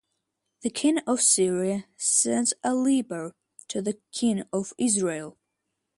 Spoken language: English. The king of Syria sent a leper to the king of Israel.